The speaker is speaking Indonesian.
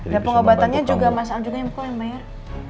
dan pengobatannya juga mas al juga yang pukul yang bayar